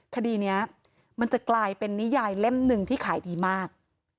คดีนี้มันจะกลายเป็นนิยายเล่มหนึ่งที่ขายดีมาก